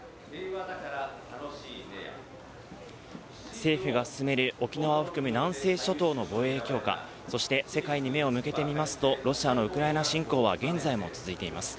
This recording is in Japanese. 政府が進める沖縄を含む南西諸島の防衛強化、そして世界に目を向けてみますと、ロシアのウクライナ侵攻は現在も続いています。